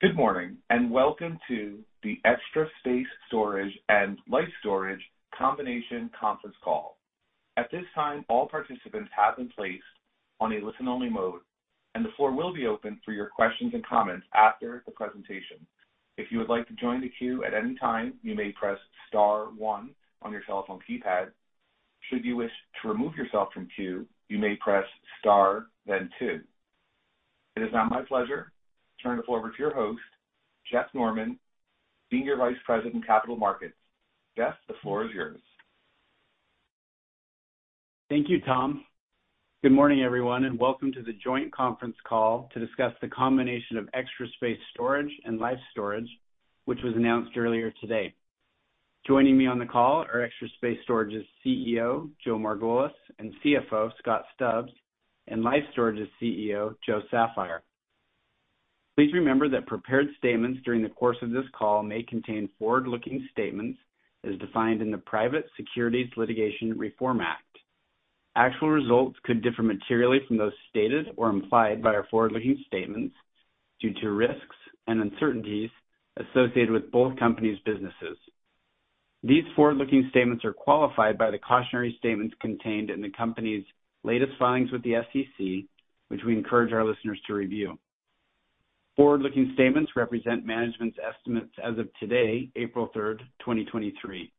Good morning, welcome to the Extra Space Storage and Life Storage Combination Conference Call. At this time, all participants have been placed on a listen-only mode. The floor will be open for your questions and comments after the presentation. If you would like to join the queue at any time, you may press star one on your cell phone keypad. Should you wish to remove yourself from queue, you may press star, then two. It is now my pleasure to turn the floor over to your host, Jeff Norman, Senior Vice President, Capital Markets. Jeff, the floor is yours. Thank you, Tom. Good morning, everyone, and welcome to the joint conference call to discuss the combination of Extra Space Storage and Life Storage, which was announced earlier today. Joining me on the call are Extra Space Storage's CEO, Joe Margolis, and CFO, Scott Stubbs, and Life Storage's CEO, Joe Saffire. Please remember that prepared statements during the course of this call may contain forward-looking statements as defined in the Private Securities Litigation Reform Act. Actual results could differ materially from those stated or implied by our forward-looking statements due to risks and uncertainties associated with both companies' businesses. These forward-looking statements are qualified by the cautionary statements contained in the company's latest filings with the SEC, which we encourage our listeners to review. Forward-looking statements represent management's estimates as of today, April 3rd, 2023.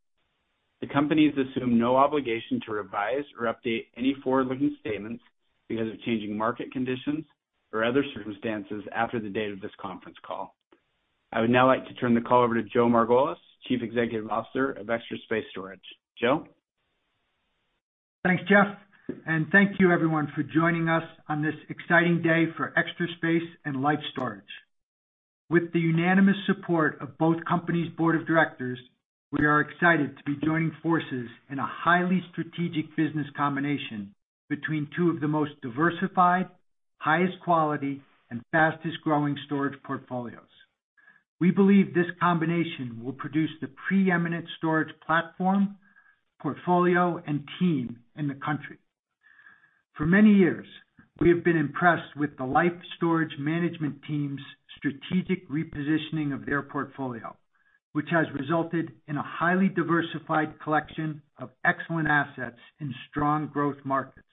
The companies assume no obligation to revise or update any forward-looking statements because of changing market conditions or other circumstances after the date of this conference call. I would now like to turn the call over to Joe Margolis, Chief Executive Officer of Extra Space Storage. Joe? Thanks, Jeff. Thank you everyone for joining us on this exciting day for Extra Space and Life Storage. With the unanimous support of both companies' board of directors, we are excited to be joining forces in a highly strategic business combination between two of the most diversified, highest quality, and fastest-growing storage portfolios. We believe this combination will produce the preeminent storage platform, portfolio, and team in the country. For many years, we have been impressed with the Life Storage management team's strategic repositioning of their portfolio, which has resulted in a highly diversified collection of excellent assets in strong growth markets.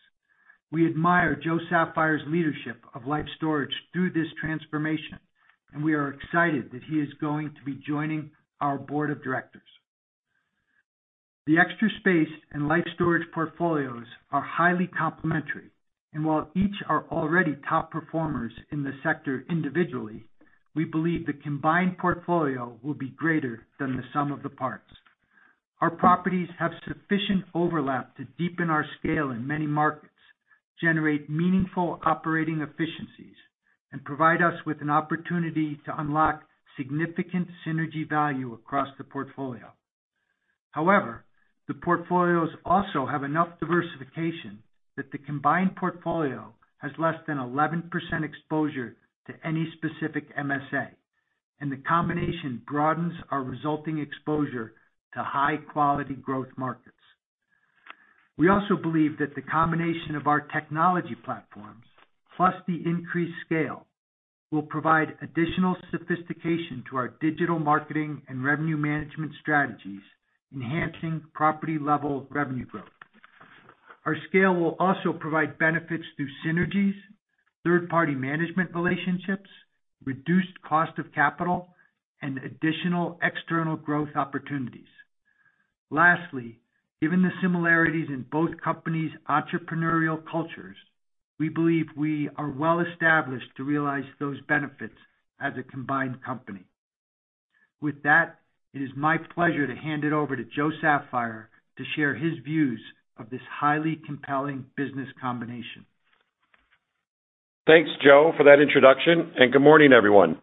We admire Joe Saffire's leadership of Life Storage through this transformation, and we are excited that he is going to be joining our board of directors. The Extra Space and Life Storage portfolios are highly complementary, and while each are already top performers in the sector individually, we believe the combined portfolio will be greater than the sum of the parts. Our properties have sufficient overlap to deepen our scale in many markets, generate meaningful operating efficiencies, and provide us with an opportunity to unlock significant synergy value across the portfolio. However, the portfolios also have enough diversification that the combined portfolio has less than 11% exposure to any specific MSA, and the combination broadens our resulting exposure to high-quality growth markets. We also believe that the combination of our technology platforms, plus the increased scale, will provide additional sophistication to our digital marketing and revenue management strategies, enhancing property-level revenue growth. Our scale will also provide benefits through synergies, third-party management relationships, reduced cost of capital, and additional external growth opportunities. Lastly, given the similarities in both companies' entrepreneurial cultures, we believe we are well established to realize those benefits as a combined company. With that, it is my pleasure to hand it over to Joe Saffire to share his views of this highly compelling business combination. Thanks, Joe, for that introduction. Good morning, everyone.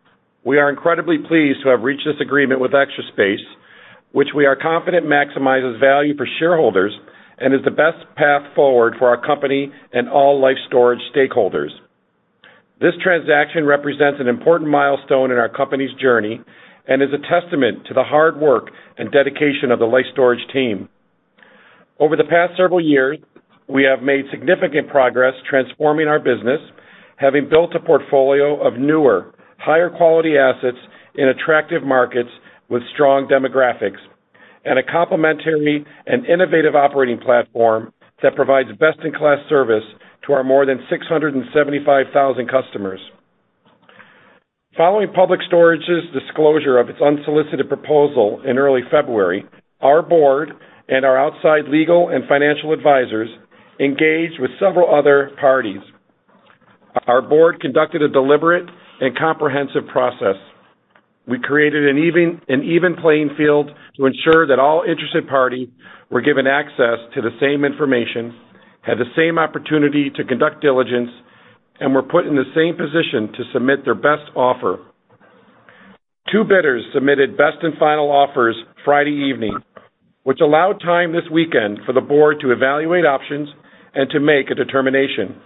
We are incredibly pleased to have reached this agreement with Extra Space, which we are confident maximizes value for shareholders and is the best path forward for our company and all Life Storage stakeholders. This transaction represents an important milestone in our company's journey and is a testament to the hard work and dedication of the Life Storage team. Over the past several years, we have made significant progress transforming our business, having built a portfolio of newer, higher quality assets in attractive markets with strong demographics and a complementary and innovative operating platform that provides best-in-class service to our more than 675,000 customers. Following Public Storage's disclosure of its unsolicited proposal in early February, our board and our outside legal and financial advisors engaged with several other parties. Our board conducted a deliberate and comprehensive process. We created an even playing field to ensure that all interested parties were given access to the same information, had the same opportunity to conduct diligence, and were put in the same position to submit their best offer. Two bidders submitted best and final offers Friday evening, which allowed time this weekend for the board to evaluate options and to make a determination.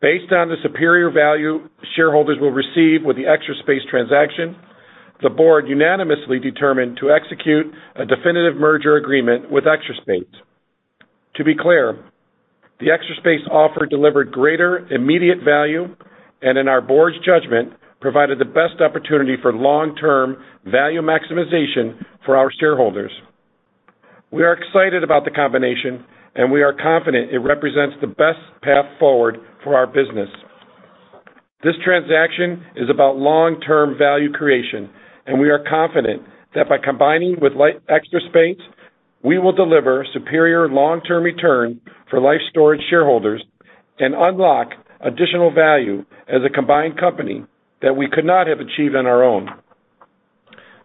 Based on the superior value shareholders will receive with the Extra Space transaction, the board unanimously determined to execute a definitive merger agreement with Extra Space. To be clear, the Extra Space offer delivered greater immediate value and in our board's judgment, provided the best opportunity for long-term value maximization for our shareholders. We are excited about the combination, and we are confident it represents the best path forward for our business. This transaction is about long-term value creation. We are confident that by combining with Extra Space, we will deliver superior long-term return for Life Storage shareholders and unlock additional value as a combined company that we could not have achieved on our own.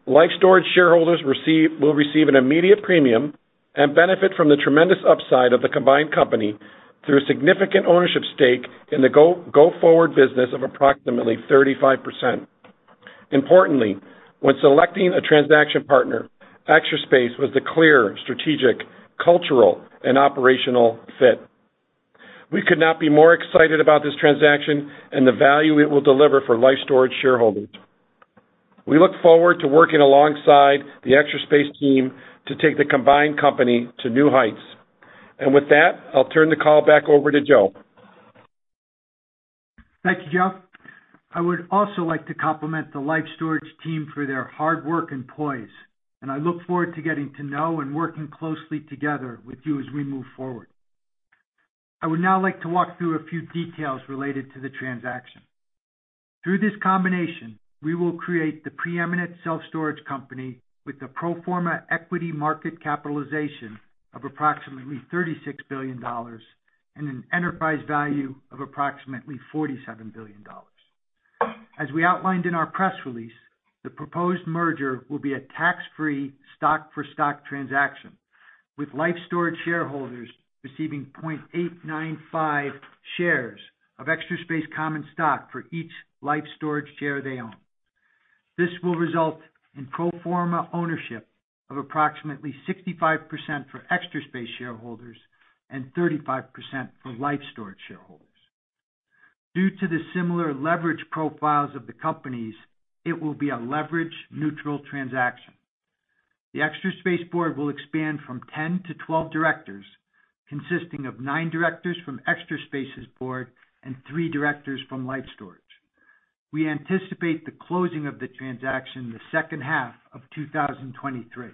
Life Storage shareholders will receive an immediate premium and benefit from the tremendous upside of the combined company through a significant ownership stake in the go forward business of approximately 35%. Importantly, when selecting a transaction partner, Extra Space was the clear strategic, cultural, and operational fit. We could not be more excited about this transaction and the value it will deliver for Life Storage shareholders. We look forward to working alongside the Extra Space team to take the combined company to new heights. With that, I'll turn the call back over to Joe. Thank you, Joe. I would also like to compliment the Life Storage team for their hard work and poise. I look forward to getting to know and working closely together with you as we move forward. I would now like to walk through a few details related to the transaction. Through this combination, we will create the preeminent self-storage company with a pro forma equity market capitalization of approximately $36 billion and an enterprise value of approximately $47 billion. As we outlined in our press release, the proposed merger will be a tax-free stock-for-stock transaction, with Life Storage shareholders receiving 0.895 shares of Extra Space common stock for each Life Storage share they own. This will result in pro forma ownership of approximately 65% for Extra Space shareholders and 35% for Life Storage shareholders. Due to the similar leverage profiles of the companies, it will be a leverage-neutral transaction. The Extra Space board will expand from 10 to 12 directors, consisting of nine directors from Extra Space's board and three directors from Life Storage. We anticipate the closing of the transaction in the second half of 2023.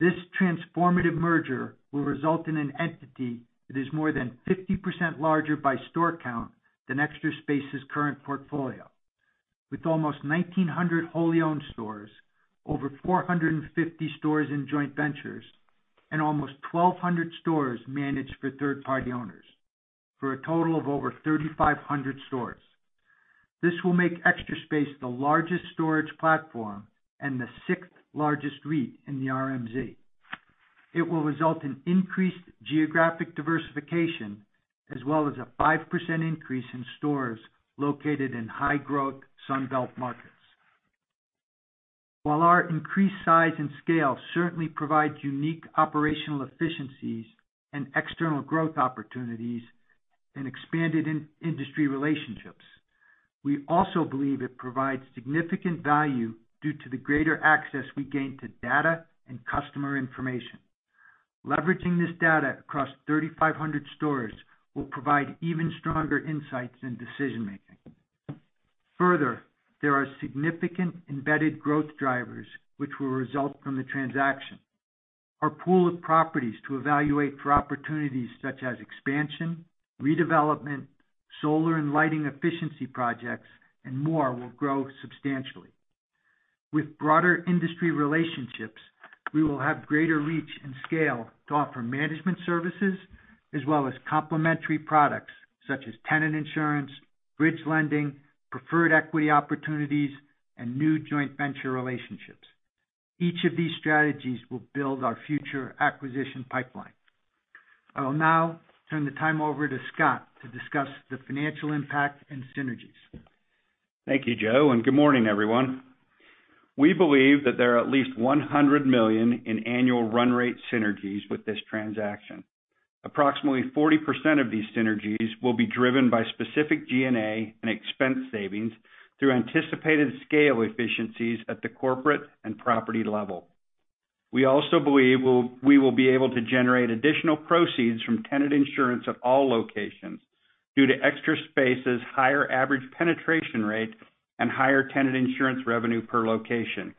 This transformative merger will result in an entity that is more than 50% larger by store count than Extra Space's current portfolio, with almost 1,900 wholly owned stores, over 450 stores in joint ventures, and almost 1,200 stores managed for third-party owners, for a total of over 3,500 stores. This will make Extra Space the largest storage platform and the sixth largest REIT in the RMZ. It will result in increased geographic diversification, as well as a 5% increase in stores located in high-growth Sun Belt markets. While our increased size and scale certainly provides unique operational efficiencies and external growth opportunities and expanded in-industry relationships, we also believe it provides significant value due to the greater access we gain to data and customer information. Leveraging this data across 3,500 stores will provide even stronger insights in decision-making. Further, there are significant embedded growth drivers which will result from the transaction. Our pool of properties to evaluate for opportunities such as expansion, redevelopment, solar and lighting efficiency projects, and more will grow substantially. With broader industry relationships, we will have greater reach and scale to offer management services as well as complementary products such as tenant insurance, bridge lending, preferred equity opportunities, and new joint venture relationships. Each of these strategies will build our future acquisition pipeline. I will now turn the time over to Scott to discuss the financial impact and synergies. Thank you, Joe. Good morning, everyone. We believe that there are at least $100 million in annual run rate synergies with this transaction. Approximately 40% of these synergies will be driven by specific G&A and expense savings through anticipated scale efficiencies at the corporate and property level. We also believe we will be able to generate additional proceeds from tenant insurance at all locations due to Extra Space's higher average penetration rate and higher tenant insurance revenue per location.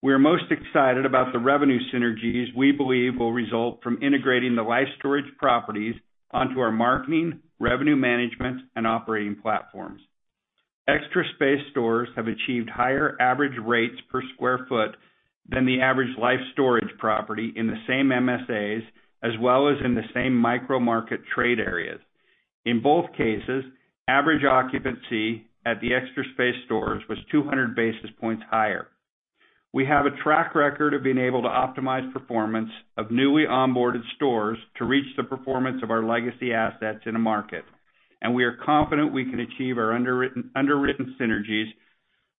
We are most excited about the revenue synergies we believe will result from integrating the Life Storage properties onto our Marketing, Revenue Management, and operating platforms. Extra Space stores have achieved higher average rates per square foot than the average Life Storage property in the same MSAs, as well as in the same micro market trade areas. In both cases, average occupancy at the Extra Space stores was 200 basis points higher. We have a track record of being able to optimize performance of newly onboarded stores to reach the performance of our legacy assets in a market. We are confident we can achieve our underwritten synergies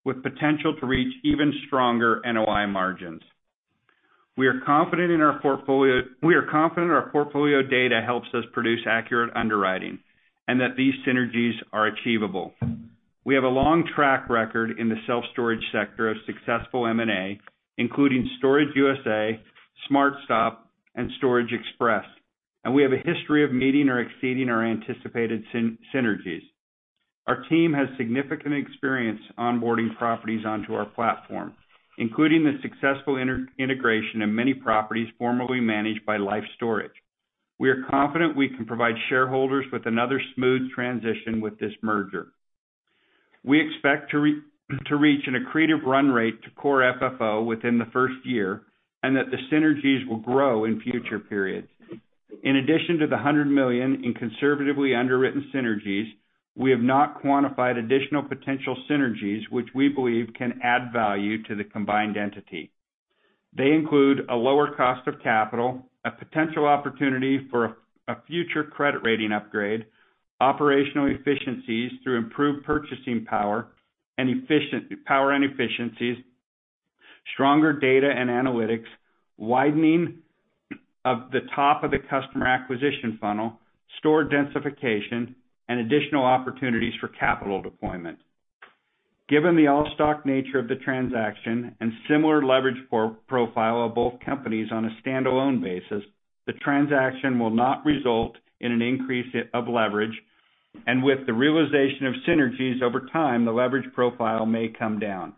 with potential to reach even stronger NOI margins. We are confident our portfolio data helps us produce accurate underwriting and that these synergies are achievable. We have a long track record in the self-storage sector of successful M&A, including Storage USA, SmartStop, and Storage Express. We have a history of meeting or exceeding our anticipated synergies. Our team has significant experience onboarding properties onto our platform, including the successful integration of many properties formerly managed by Life Storage. We are confident we can provide shareholders with another smooth transition with this merger. We expect to reach an accretive run rate to core FFO within the first year, and that the synergies will grow in future periods. In addition to the $100 million in conservatively underwritten synergies, we have not quantified additional potential synergies, which we believe can add value to the combined entity. They include a lower cost of capital, a potential opportunity for a future credit rating upgrade, operational efficiencies through improved purchasing power and efficiencies, stronger data and analytics, widening of the top of the customer acquisition funnel, store densification, and additional opportunities for capital deployment. Given the all-stock nature of the transaction and similar leverage profile of both companies on a standalone basis, the transaction will not result in an increase of leverage, with the realization of synergies over time, the leverage profile may come down.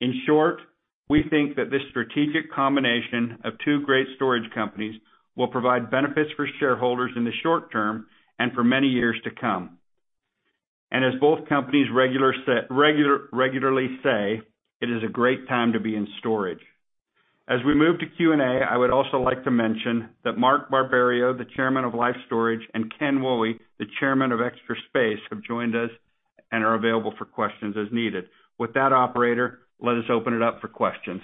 In short, we think that this strategic combination of two great storage companies will provide benefits for shareholders in the short term and for many years to come. As both companies regularly say, it is a great time to be in storage. As we move to Q&A, I would also like to mention that Mark Barberio, the chairman of Life Storage, and Ken Woolley, the chairman of Extra Space, have joined us and are available for questions as needed. With that, operator, let us open it up for questions.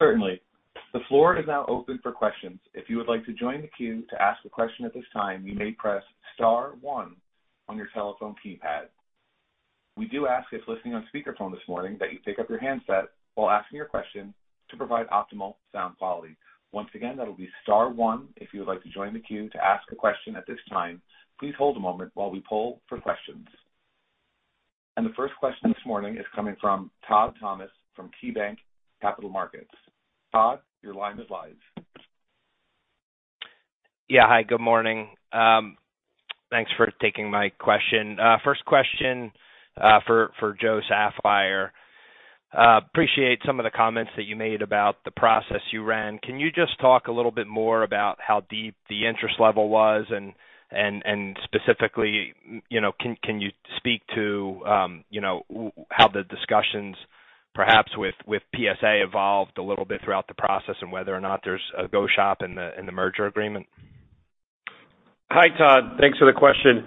Certainly. The floor is now open for questions. If you would like to join the queue to ask a question at this time, you may press star one on your telephone keypad. We do ask, if listening on speaker phone this morning, that you pick up your handset while asking your question to provide optimal sound quality. Once again, that'll be star one if you would like to join the queue to ask a question at this time. Please hold a moment while we poll for questions. The first question this morning is coming from Todd Thomas from KeyBanc Capital Markets. Todd, your line is live. Yeah. Hi, good morning. Thanks for taking my question. First question, for Joe Saffire. Appreciate some of the comments that you made about the process you ran. Can you just talk a little bit more about how deep the interest level was? Specifically, you know, can you speak to how the discussions perhaps with PSA evolved a little bit throughout the process and whether or not there's a go shop in the merger agreement? Hi, Todd. Thanks for the question.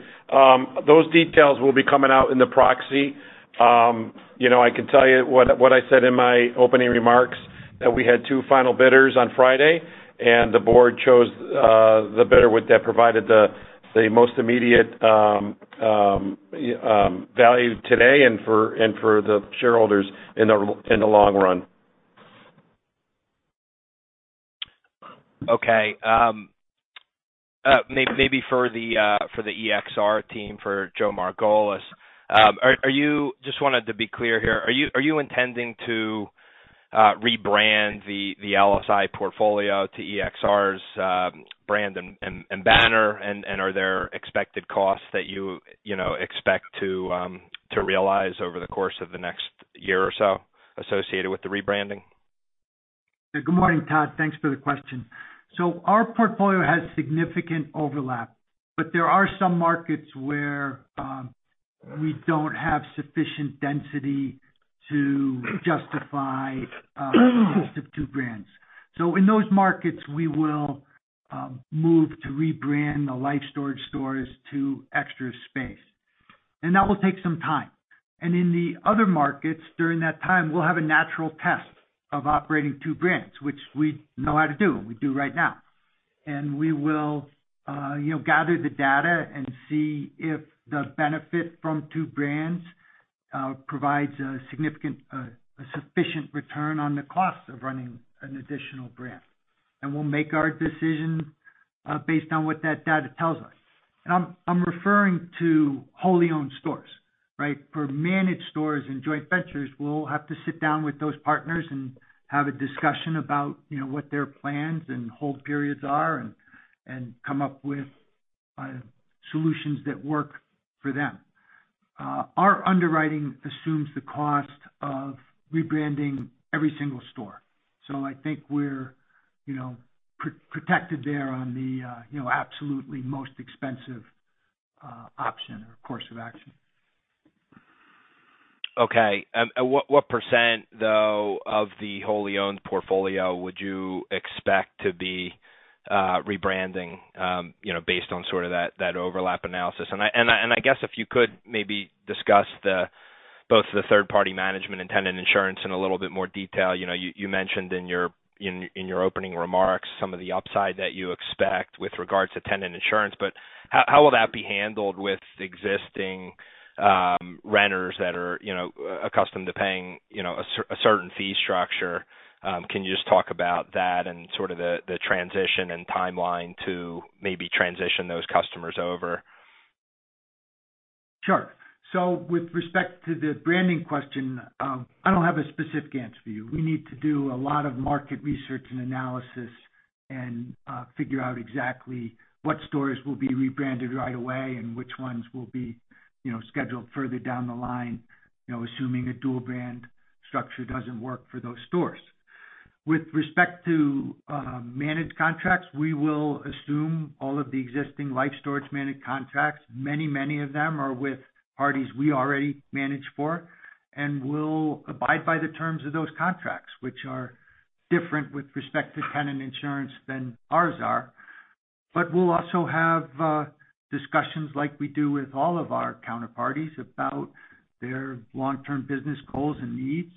Those details will be coming out in the proxy. You know, I can tell you what I said in my opening remarks, that we had two final bidders on Friday, the board chose the bidder with that, provided the most immediate value today and for the shareholders in the long run. Okay. maybe for the EXR team, for Joe Margolis. Are you- just wanted to be clear here, are you intending to rebrand the LSI portfolio to EXR's brand and banner? Are there expected costs that you know, expect to realize over the course of the next year or so associated with the rebranding? Good morning, Todd. Thanks for the question. Our portfolio has significant overlap, but there are some markets where we don't have sufficient density to justify the cost of two brands. In those markets, we will move to rebrand the Life Storage stores to Extra Space, and that will take some time. In the other markets, during that time, we'll have a natural test of operating two brands, which we know how to do, and we do right now. We will, you know, gather the data and see if the benefit from two brands provides a significant a sufficient return on the cost of running an additional brand. We'll make our decision based on what that data tells us. I'm referring to wholly owned stores, right? For managed stores and joint ventures, we'll have to sit down with those partners and have a discussion about, you know, what their plans and hold periods are and come up with solutions that work for them. I think we're, you know, pro-protected there on the, you know, absolutely most expensive option or course of action. Okay. What percent though, of the wholly owned portfolio would you expect to be rebranding, you know, based on sort of that overlap analysis? I guess if you could maybe discuss the, both the third-party management and tenant insurance in a little bit more detail. You know, you mentioned in your opening remarks some of the upside that you expect with regards to tenant insurance, but how will that be handled with existing renters that are, you know, accustomed to paying, you know, a certain fee structure? Can you just talk about that and sort of the transition and timeline to maybe transition those customers over? Sure. With respect to the branding question, I don't have a specific answer for you. We need to do a lot of market research and analysis and figure out exactly what stores will be rebranded right away and which ones will be, you know, scheduled further down the line, you know, assuming a dual brand structure doesn't work for those stores. With respect to managed contracts, we will assume all of the existing Life Storage managed contracts. Many of them are with parties we already manage for, and we'll abide by the terms of those contracts, which are different with respect to tenant insurance than ours are. We'll also have discussions like we do with all of our counterparties about their long-term business goals and needs,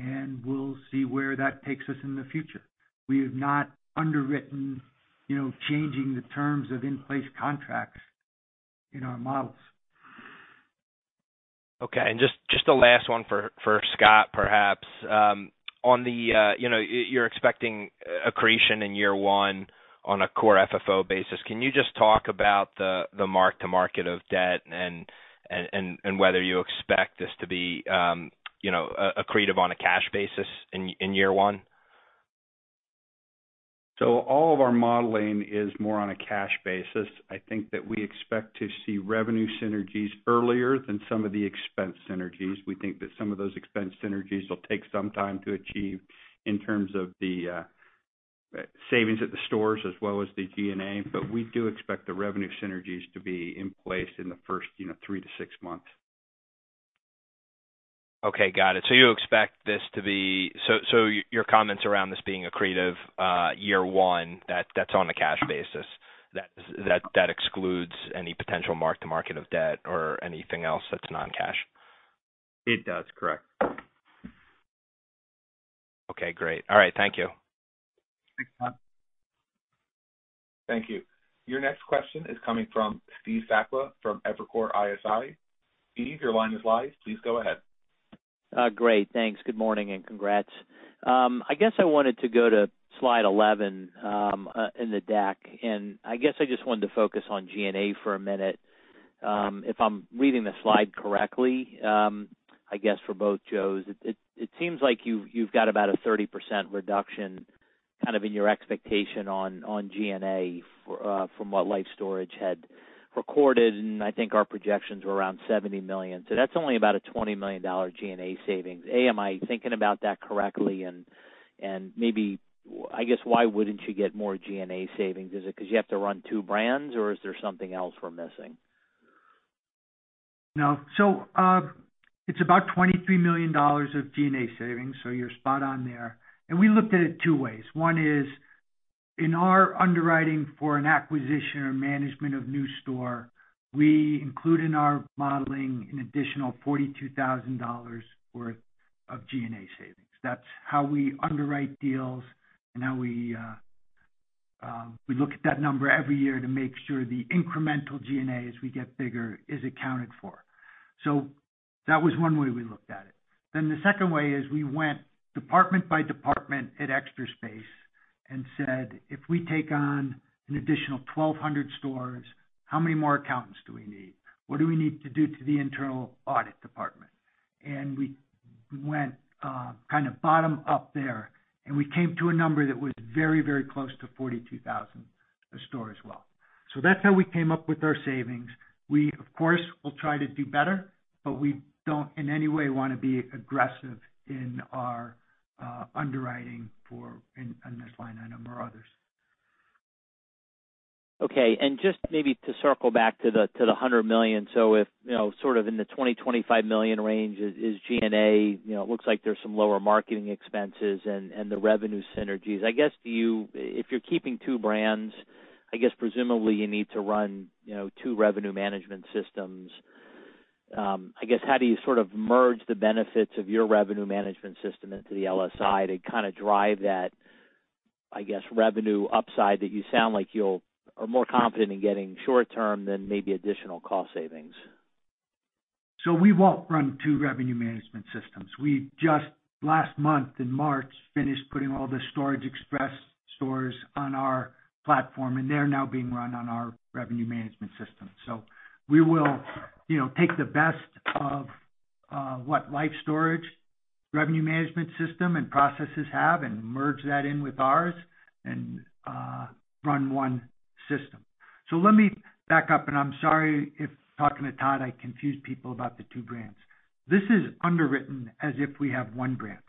and we'll see where that takes us in the future. We have not underwritten, you know, changing the terms of in-place contracts in our models. Okay. just a last one for Scott perhaps. on the, you know, you're expecting accretion in year one on a core FFO basis. Can you just talk about the mark-to-market of debt and whether you expect this to be, you know, accretive on a cash basis in year one? All of our modeling is more on a cash basis. I think that we expect to see revenue synergies earlier than some of the expense synergies. We think that some of those expense synergies will take some time to achieve in terms of the savings at the stores as well as the G&A. We do expect the revenue synergies to be in place in the first, you know, 3-6 months. Got it. You expect this to be- so your comments around this being accretive, year one, that's on a cash basis. That's, that excludes any potential mark-to-market of debt or anything else that's non-cash. It does. Correct. Okay, great. All right. Thank you. Thanks, Todd. Thank you. Your next question is coming from Steve Sakwa from Evercore ISI. Steve, your line is live. Please go ahead. Great. Thanks. Good morning, and congrats. I guess I wanted to go to slide 11 in the deck. I guess I just wanted to focus on G&A for a minute. If I'm reading the slide correctly, I guess for both Joes, it seems like you've got about a 30% reduction kind of in your expectation on G&A from what Life Storage had recorded, and I think our projections were around $70 million. That's only about a $20 million G&A savings. Am I thinking about that correctly? Maybe I guess why wouldn't you get more G&A savings? Is it 'cause you have to run two brands, or is there something else we're missing? No. It's about $23 million of G&A savings, so you're spot on there. We looked at it 2 ways. One is, in our underwriting for an acquisition or management of new store, we include in our modeling an additional $42,000 worth of G&A savings. That's how we underwrite deals and how we look at that number every year to make sure the incremental G&As we get bigger is accounted for. That was one way we looked at it. The second way is we went department by department at Extra Space and said, "If we take on an additional 1,200 stores, how many more accountants do we need? What do we need to do to the internal audit department?" We went, kind of bottom up there, and we came to a number that was very, very close to $42,000 a store as well. That's how we came up with our savings. We, of course, will try to do better, but we don't in any way wanna be aggressive in our underwriting for this line item or others. Okay. Just maybe to circle back to the, to the $100 million. If, you know, sort of in the $20 million, $25 million range is G&A, you know, looks like there's some lower marketing expenses and the revenue synergies. I guess if you're keeping two brands, I guess presumably you need to run, you know, two revenue management systems. I guess, how do you sort of merge the benefits of your revenue management system into the LSI to kind of drive that, I guess, revenue upside that you sound like you'll are more confident in getting short term than maybe additional cost savings? We won't run two revenue management systems. We just last month in March finished putting all the Storage Express stores on our platform, and they're now being run on our revenue management system. We will, you know, take the best of what Life Storage revenue management system and processes have and merge that in with ours and run one system. Let me back up, and I'm sorry if talking to Todd, I confused people about the two brands. This is underwritten as if we have one brand.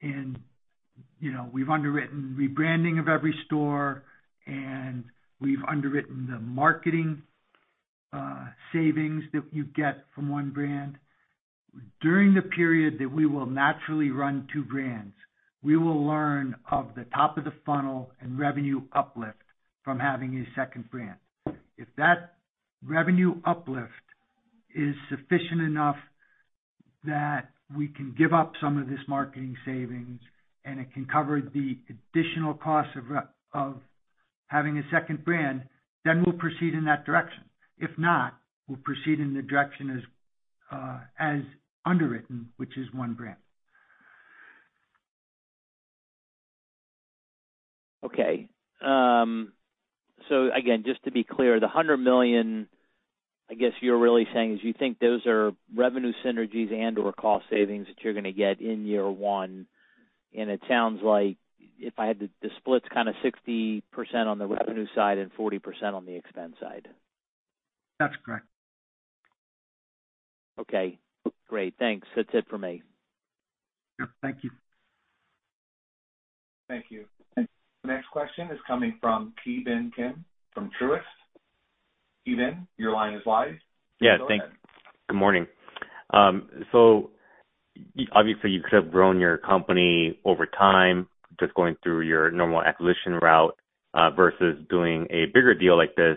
You know, we've underwritten rebranding of every store, and we've underwritten the marketing savings that you get from one brand. During the period that we will naturally run two brands, we will learn of the top of the funnel and revenue uplift from having a second brand. If that revenue uplift is sufficient enough that we can give up some of this marketing savings and it can cover the additional cost of having a second brand, then we'll proceed in that direction. If not, we'll proceed in the direction as underwritten, which is one brand. Okay. Again, just to be clear, the $100 million, I guess you're really saying is you think those are revenue synergies and or cost savings that you're gonna get in year 1. It sounds like the split's kinda 60% on the revenue side and 40% on the expense side. That's correct. Okay, great. Thanks. That's it for me. Yeah. Thank you. Thank you. The next question is coming from Ki Bin Kim from Truist. Ki Bin, your line is live. Yeah. Go ahead. Thanks. Good morning. Obviously, you could have grown your company over time, just going through your normal acquisition route, versus doing a bigger deal like this,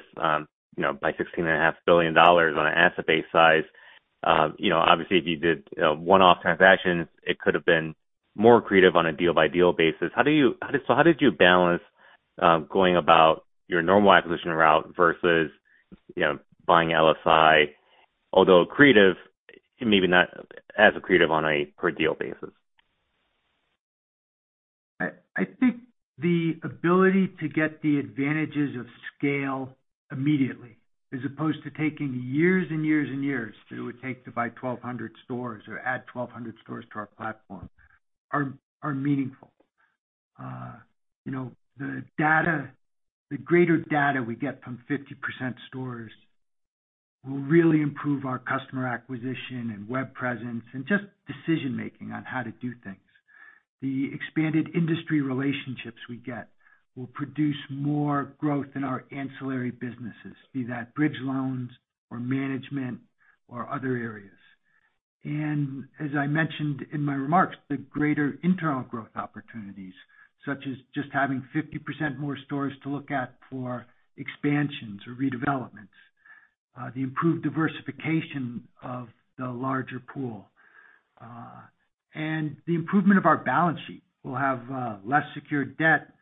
you know, by $16.5 billion on an asset base size. You know, obviously, if you did, one-off transactions, it could have been more creative on a deal-by-deal basis. How did you balance, going about your normal acquisition route versus, you know, buying LSI, although accretive, maybe not as accretive on a per deal basis? I think the ability to get the advantages of scale immediately, as opposed to taking years and years and years that it would take to buy 1,200 stores or add 1,200 stores to our platform are meaningful. You know, the data, the greater data we get from 50% stores will really improve our customer acquisition and web presence and just decision-making on how to do things. The expanded industry relationships we get will produce more growth in our ancillary businesses, be that bridge loans or management or other areas. As I mentioned in my remarks, the greater internal growth opportunities, such as just having 50% more stores to look at for expansions or redevelopments, the improved diversification of the larger pool, and the improvement of our balance sheet. We'll have less secured debt.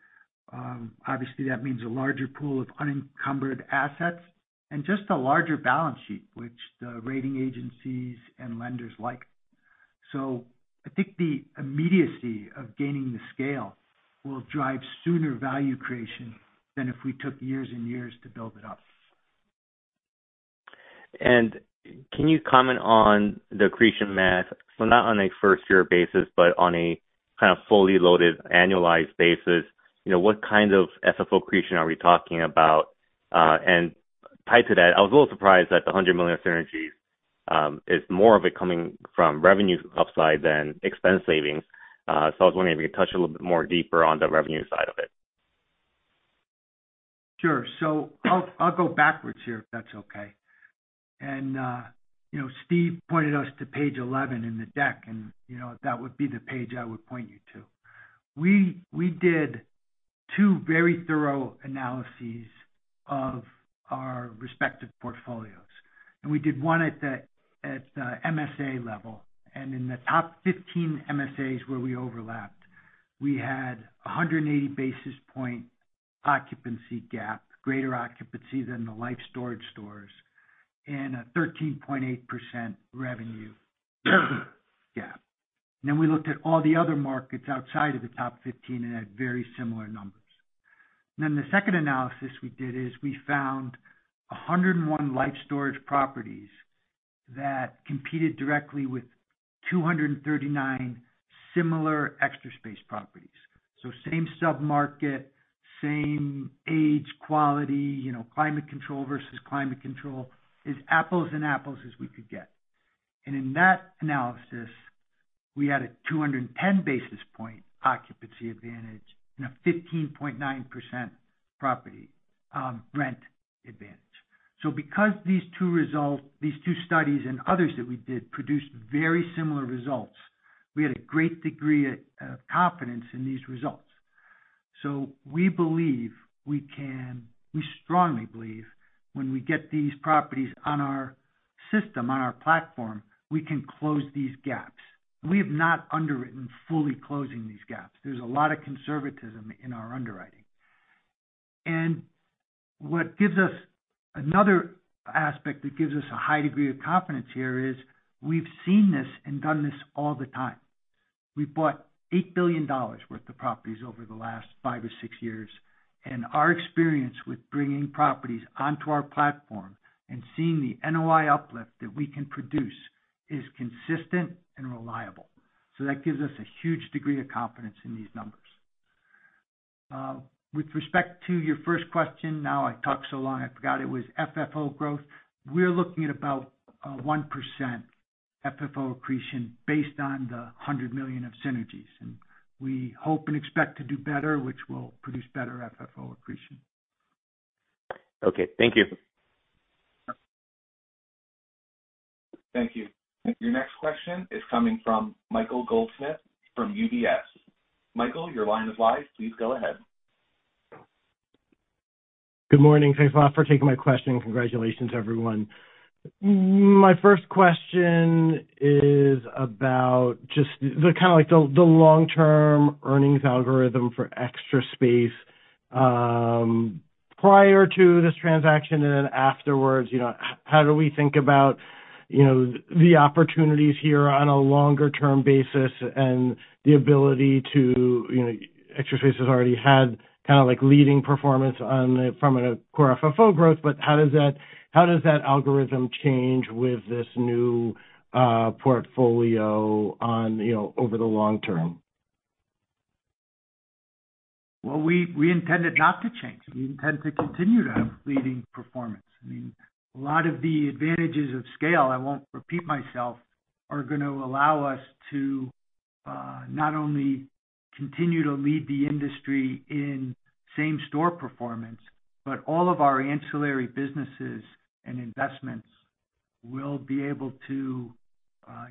Obviously, that means a larger pool of unencumbered assets and just a larger balance sheet, which the rating agencies and lenders like. I think the immediacy of gaining the scale will drive sooner value creation than if we took years and years to build it up. Can you comment on the accretion math? Not on a first-year basis, but on a kind of fully loaded annualized basis. You know, what kind of FFO accretion are we talking about? And tied to that, I was a little surprised that the $100 million synergies, is more of it coming from revenue upside than expense savings. I was wondering if you could touch a little bit more deeper on the revenue side of it. Sure. I'll go backwards here, if that's okay. You know, Steve pointed us to page 11 in the deck, and, you know, that would be the page I would point you to. We did two very thorough analyses of our respective portfolios, and we did one at the MSA level. In the top 15 MSAs where we overlapped, we had a 180 basis point occupancy gap, greater occupancy than the Life Storage stores, and a 13.8% revenue gap. We looked at all the other markets outside of the top 15 and had very similar numbers. The second analysis we did is we found 101 Life Storage properties that competed directly with 239 similar Extra Space properties. Same sub-market, same age, quality, you know, climate control versus climate control. As apples and apples as we could get. In that analysis, we had a 210 basis point occupancy advantage and a 15.9% property, rent advantage. Because these two results, these two studies and others that we did produced very similar results, we had a great degree of confidence in these results. We strongly believe when we get these properties on our system, on our platform, we can close these gaps. We have not underwritten fully closing these gaps. There's a lot of conservatism in our underwriting. Another aspect that gives us a high degree of confidence here is we've seen this and done this all the time. We bought $8 billion worth of properties over the last five or six years. Our experience with bringing properties onto our platform and seeing the NOI uplift that we can produce is consistent and reliable. That gives us a huge degree of confidence in these numbers. With respect to your first question, now I talked so long I forgot it was FFO growth. We're looking at about 1% FFO accretion based on the $100 million of synergies. We hope and expect to do better, which will produce better FFO accretion. Okay. Thank you. Thank you. Your next question is coming from Michael Goldsmith from UBS. Michael, your line is live. Please go ahead. Good morning. Thanks a lot for taking my question. Congratulations, everyone. My first question is about just the kind of like the long-term earnings algorithm for Extra Space. Prior to this transaction and then afterwards, you know, how do we think about, you know, the opportunities here on a longer-term basis and the ability to, you know, Extra Space has already had kind of like leading performance from a core FFO growth, but how does that algorithm change with this new portfolio on, you know, over the long term? Well, we intend it not to change. We intend to continue to have leading performance. I mean, a lot of the advantages of scale, I won't repeat myself, are gonna allow us to not only continue to lead the industry in same-store performance, but all of our ancillary businesses and investments will be able to,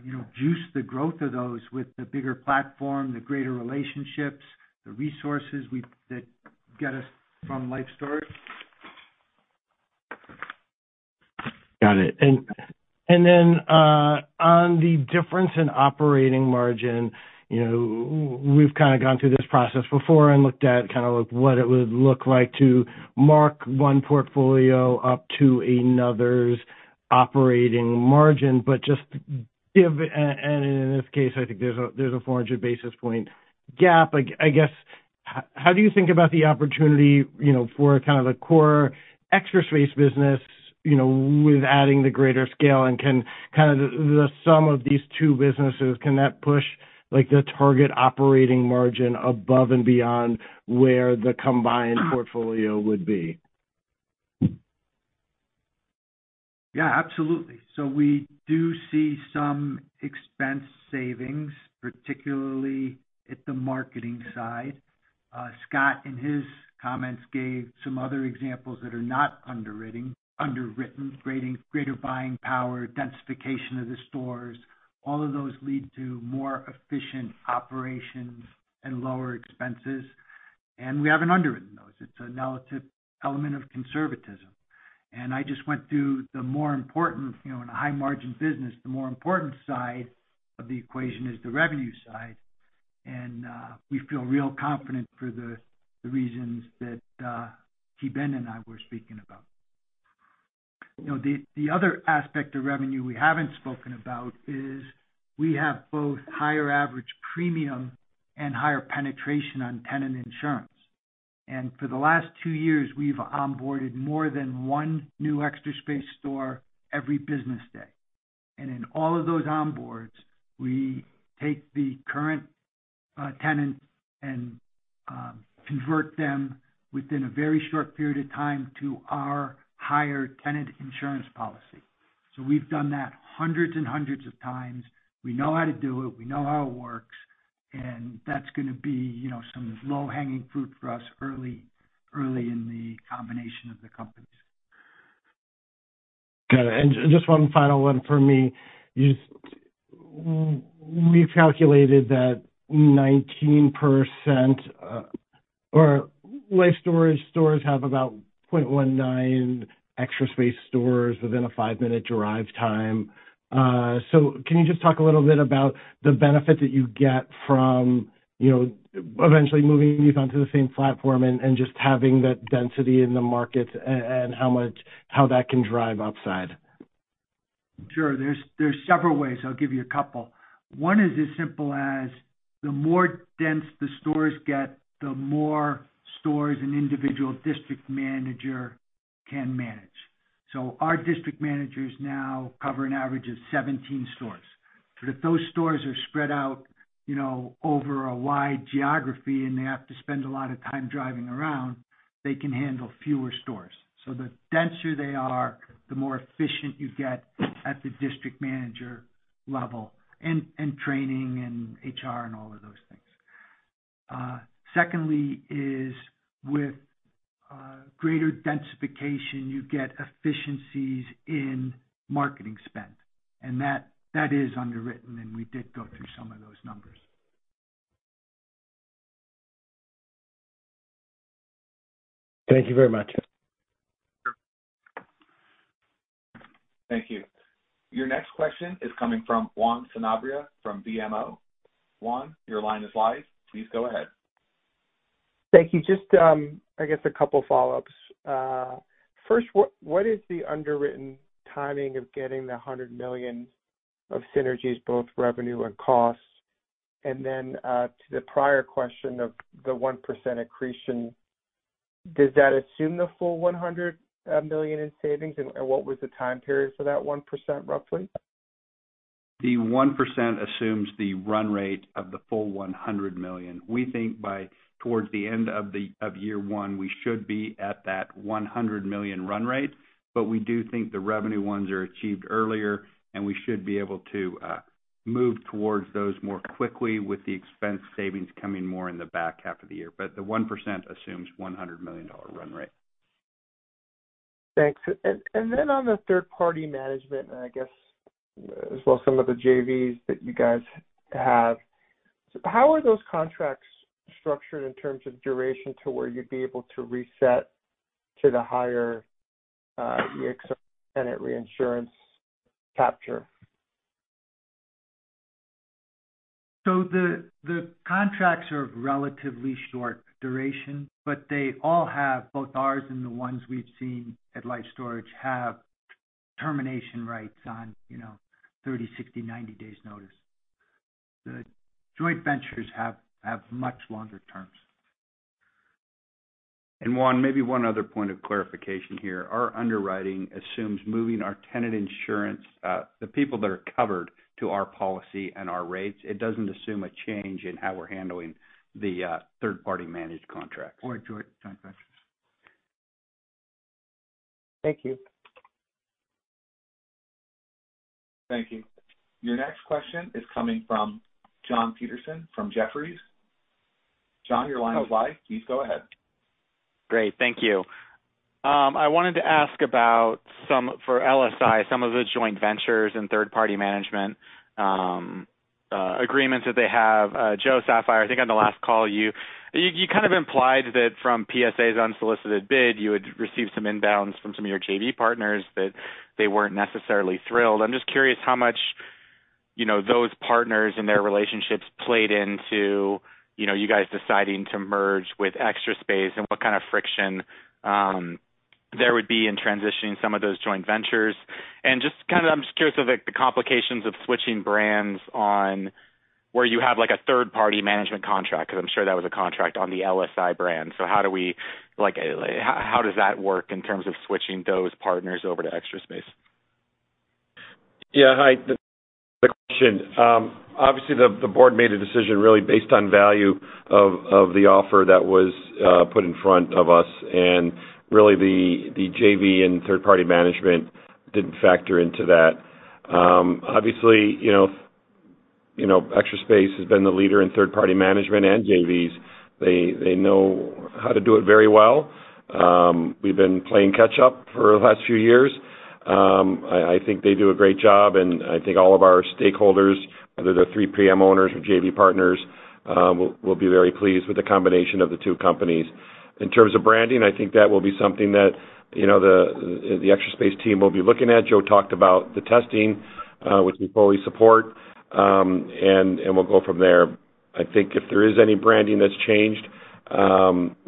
you know, juice the growth of those with the bigger platform, the greater relationships, the resources that get us from Life Storage. Got it. Then, on the difference in operating margin, you know, we've kind of gone through this process before and looked at kind of like what it would look like to mark one portfolio up to another's operating margin. In this case, I think there's a 400 basis point gap. I guess, how do you think about the opportunity, you know, for kind of the core Extra Space business, you know, with adding the greater scale? Can kind of the sum of these two businesses, can that push like the target operating margin above and beyond where the combined portfolio would be? Yeah, absolutely. We do see some expense savings, particularly at the marketing side. Scott, in his comments, gave some other examples that are not underwritten, greater buying power, densification of the stores. All of those lead to more efficient operations and lower expenses, and we haven't underwritten those. It's a relative element of conservatism. I just went through the more important, you know, in a high margin business, the more important side of the equation is the revenue side. We feel real confident for the reasons that Ki Bin and I were speaking about. You know, the other aspect of revenue we haven't spoken about is we have both higher average premium and higher penetration on tenant insurance. For the last two years, we've onboarded more than one new Extra Space store every business day. In all of those onboards, we take the current tenants and convert them within a very short period of time to our higher tenant insurance policy. We've done that hundreds and hundreds of times. We know how to do it, we know how it works, and that's gonna be, you know, some low-hanging fruit for us early in the combination of the companies. Got it. Just one final one for me. You we've calculated that 19%, or Life Storage stores have about 0.19 Extra Space stores within a five-minute drive time. Can you just talk a little bit about the benefit that you get from, you know, eventually moving these onto the same platform and just having that density in the market and how that can drive upside? Sure. There's several ways. I'll give you a couple. One is as simple as the more dense the stores get, the more stores an individual district manager can manage. Our district managers now cover an average of 17 stores. If those stores are spread out, you know, over a wide geography and they have to spend a lot of time driving around, they can handle fewer stores. The denser they are, the more efficient you get at the district manager level and training and HR and all of those things. Secondly is with greater densification, you get efficiencies in marketing spend, and that is underwritten, and we did go through some of those numbers. Thank you very much. Thank you. Your next question is coming from Juan Sanabria from BMO. Juan, your line is live. Please go ahead. Thank you. Just, I guess a couple follow-ups. First, what is the underwritten timing of getting the $100 million of synergies, both revenue and costs? Then, to the prior question of the 1% accretion, does that assume the full $100 million in savings? What was the time period for that 1%, roughly? The 1% assumes the run rate of the full $100 million. We think by towards the end of year one, we should be at that $100 million run rate. We do think the revenue ones are achieved earlier, and we should be able to move towards those more quickly with the expense savings coming more in the back half of the year. The 1% assumes $100 million run rate. Thanks. And then on the third-party management, and I guess as well some of the JVs that you guys have, how are those contracts structured in terms of duration to where you'd be able to reset to the higher, EXR tenant reinsurance capture? The contracts are of relatively short duration, but they all have, both ours and the ones we've seen at Life Storage, have termination rights on, you know, 30, 60, 90 days notice. The joint ventures have much longer terms. Juan, maybe one other point of clarification here. Our underwriting assumes moving our tenant insurance, the people that are covered to our policy and our rates. It doesn't assume a change in how we're handling the third party managed contracts. Or joint ventures. Thank you. Thank you. Your next question is coming from John Petersen from Jefferies. John, your line is live. Please go ahead. Great. Thank you. I wanted to ask about some for LSI, some of the joint ventures and third-party management agreements that they have. Joe Saffire, I think on the last call, you kind of implied that from PSA's unsolicited bid, you had received some inbounds from some of your JV partners, that they weren't necessarily thrilled. I'm just curious how much, you know, those partners and their relationships played into, you know, you guys deciding to merge with Extra Space and what kind of friction there would be in transitioning some of those joint ventures. I'm just curious of, like, the complications of switching brands on where you have, like, a third-party management contract, because I'm sure that was a contract on the LSI brand. How does that work in terms of switching those partners over to Extra Space? Yeah. Hi. Good question. Obviously the board made a decision really based on value of the offer that was put in front of us. Really the JV and third-party management didn't factor into that. Obviously, you know, Extra Space has been the leader in third-party management and JVs. They know how to do it very well. We've been playing catch up for the last few years. I think they do a great job, and I think all of our stakeholders, whether they're 3PM owners or JV partners, will be very pleased with the combination of the two companies. In terms of branding, I think that will be something that, you know, the Extra Space team will be looking at. Joe talked about the testing, which we fully support, and we'll go from there. I think if there is any branding that's changed,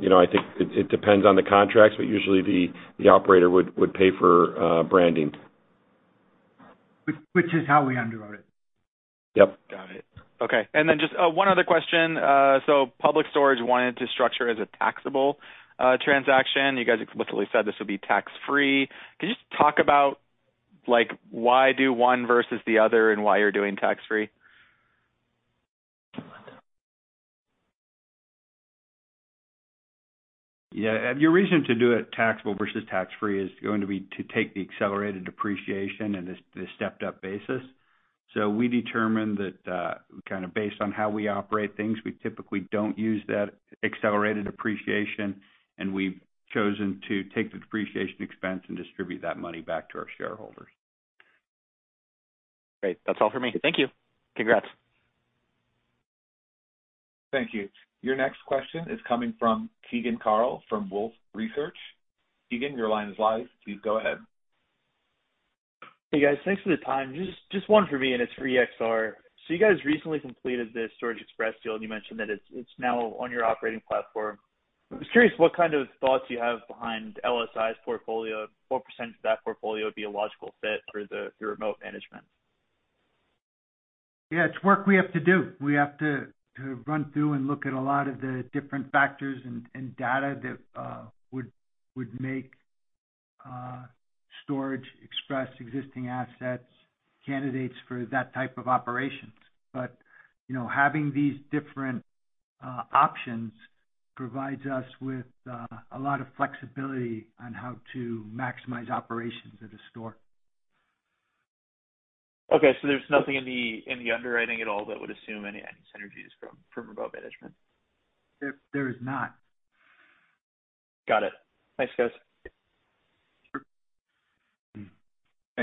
you know, I think it depends on the contracts, but usually the operator would pay for branding. Which is how we underwrite. Yep. Got it. Okay. Just one other question. Public Storage wanted to structure as a taxable transaction. You guys explicitly said this will be tax-free. Can you just talk about, like, why do one versus the other and why you're doing tax-free? Yeah. Your reason to do it taxable versus tax-free is going to be to take the accelerated depreciation and the stepped up basis. We determined that, kind of based on how we operate things, we typically don't use that accelerated depreciation, and we've chosen to take the depreciation expense and distribute that money back to our shareholders. Great. That's all for me. Thank you. Congrats. Thank you. Your next question is coming from Keegan Carl from Wolfe Research. Keegan, your line is live. Please go ahead. Hey, guys. Thanks for the time. Just one for me, and it's for EXR. You guys recently completed the Storage Express deal, and you mentioned that it's now on your operating platform. I was curious what kind of thoughts you have behind LSI's portfolio, what percentage of that portfolio would be a logical fit for the remote management? Yeah. It's work we have to do. We have to run through and look at a lot of the different factors and data that would make Storage Express existing assets candidates for that type of operations. You know, having these different options provides us with a lot of flexibility on how to maximize operations at a store. Okay. There's nothing in the, in the underwriting at all that would assume any synergies from remote management. There is not. Got it. Thanks, guys.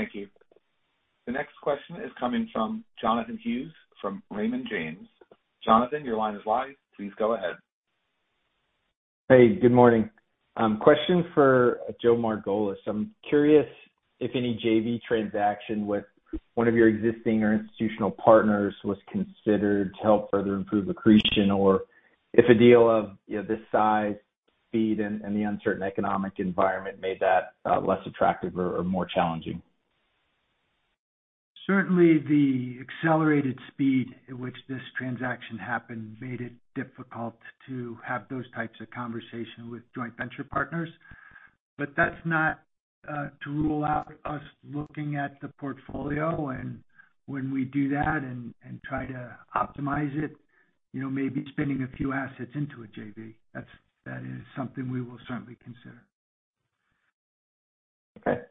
Sure. Thank you. The next question is coming from Jonathan Hughes from Raymond James. Jonathan, your line is live. Please go ahead. Hey, good morning. Question for Joe Margolis? I'm curious if any JV transaction with one of your existing or institutional partners was considered to help further improve accretion, or if a deal of, you know, this size, speed, and the uncertain economic environment made that less attractive or more challenging. Certainly, the accelerated speed at which this transaction happened made it difficult to have those types of conversation with joint venture partners. That's not to rule out us looking at the portfolio. When we do that and try to optimize it, you know, maybe spinning a few assets into a JV, that is something we will certainly consider. Okay.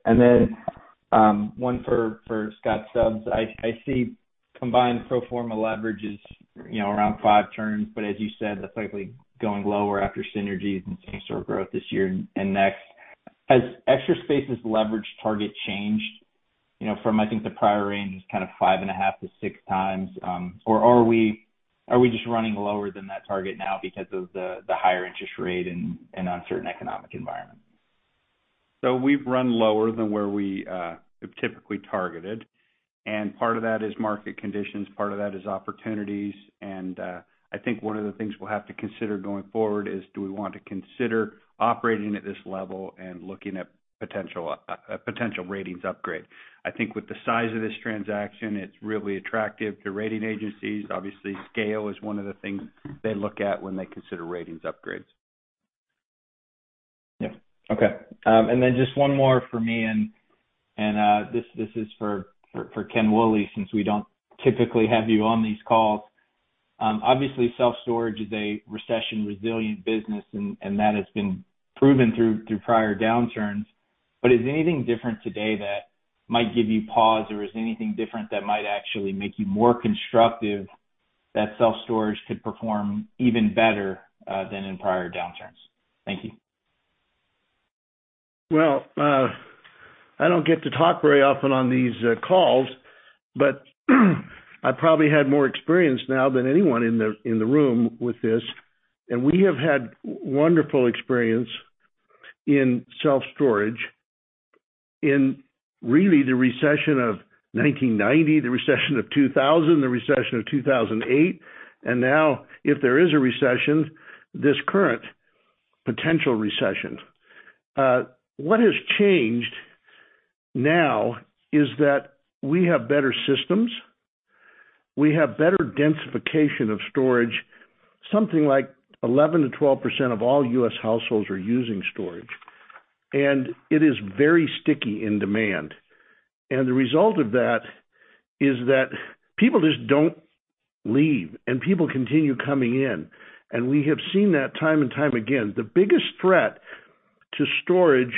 One for Scott Stubbs. I see combined pro forma leverage is, you know, around five turns, but as you said, that's likely going lower after synergies and same-store growth this year and next. Has Extra Space's leverage target changed, you know, from, I think the prior range is kind of 5.5-6 times? Or are we just running lower than that target now because of the higher interest rate and uncertain economic environment? We've run lower than where we have typically targeted. Part of that is market conditions, part of that is opportunities. I think one of the things we'll have to consider going forward is do we want to consider operating at this level and looking at potential a potential ratings upgrade? I think with the size of this transaction, it's really attractive to rating agencies. Obviously, scale is one of the things they look at when they consider ratings upgrades. Yeah. Okay. Just one more for me, this is for Ken Woolley, since we don't typically have you on these calls. Obviously self-storage is a recession-resilient business and that has been proven through prior downturns. Is anything different today that might give you pause or is anything different that might actually make you more constructive that self-storage could perform even better than in prior downturns? Thank you. Well, I don't get to talk very often on these calls, but I probably had more experience now than anyone in the room with this. We have had wonderful experience in self-storage in really the recession of 1990, the recession of 2000, the recession of 2008. Now, if there is a recession, this current potential recession. What has changed now is that we have better systems. We have better densification of storage. Something like 11%-12% of all US households are using storage, and it is very sticky in demand. The result of that is that people just don't leave and people continue coming in. We have seen that time and time again. The biggest threat to storage,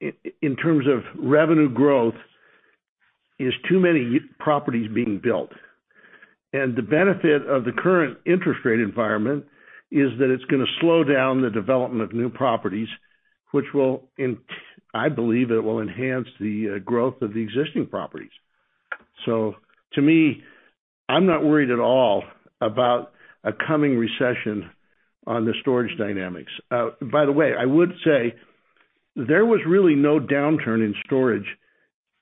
in terms of revenue growth is too many properties being built. The benefit of the current interest rate environment is that it's gonna slow down the development of new properties, which will, and I believe it will enhance the growth of the existing properties. To me, I'm not worried at all about a coming recession on the storage dynamics. By the way, I would say there was really no downturn in storage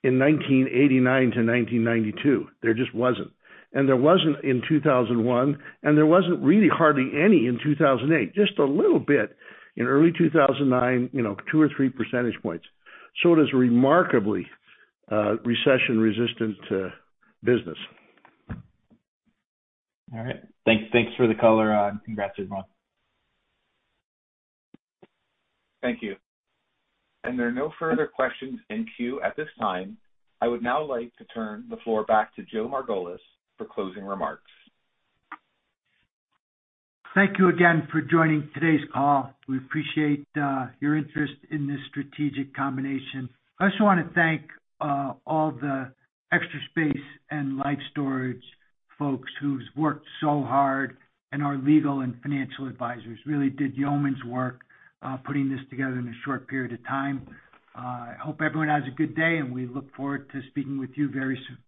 in 1989 to 1992. There just wasn't. There wasn't in 2001, and there wasn't really hardly any in 2008, just a little bit in early 2009, you know, two or three percentage points. It is remarkably recession-resistant business. All right. Thanks for the color. Congrats everyone. Thank you. There are no further questions in queue at this time. I would now like to turn the floor back to Joe Margolis for closing remarks. Thank you again for joining today's call. We appreciate your interest in this strategic combination. I just wanna thank all the Extra Space and Life Storage folks who's worked so hard and our legal and financial advisors really did yeoman's work putting this together in a short period of time. I hope everyone has a good day, and we look forward to speaking with you very soon.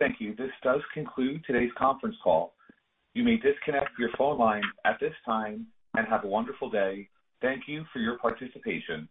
Thank you. This does conclude today's conference call. You may disconnect your phone line at this time and have a wonderful day. Thank you for your participation.